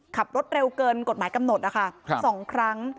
ขับรถเร็วเกินกฎหมายกำหนดนะคะ๒ครั้ง